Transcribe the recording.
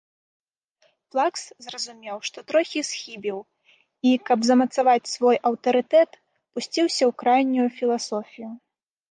Плакс зразумеў, што троху схібіў, і, каб замацаваць свой аўтарытэт, пусціўся ў крайнюю філасофію.